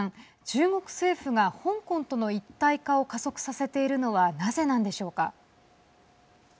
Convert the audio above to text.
中国政府が香港との一体化を加速させているのはなぜなんでしょうか。